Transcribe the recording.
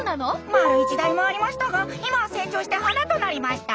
丸い時代もありましたが今は成長して花となりました。